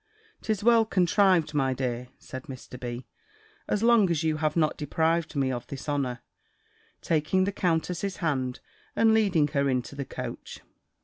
"'Tis well contrived, my dear," said Mr. B., "as long as you have not deprived me of this honour;" taking the countess's hand, and leading her into the coach.